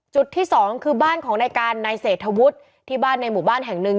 จุดที่สองคือบ้านของนายการนายเศรษฐวุฒิที่บ้านในหมู่บ้านแห่งหนึ่ง